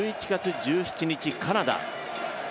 次は１１月１７日、カナダ。